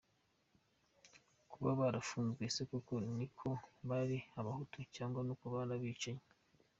kuba barafunzwe ese koko ni uko bari abahutu, cyangwa n’uko bari abicanyi !